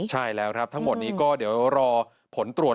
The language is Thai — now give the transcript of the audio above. ใช่แล้วครับทั้งหมดนี้ก็เดี๋ยวรอผลตรวจ